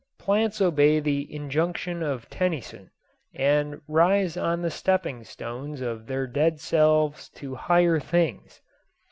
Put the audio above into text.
Plants obey the injunction of Tennyson and rise on the stepping stones of their dead selves to higher things.